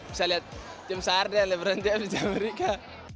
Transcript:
bisa lihat tim sarden leberon dia bisa lihat amerika